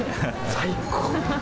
最高。